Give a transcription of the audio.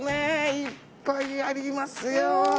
いっぱいありますよ。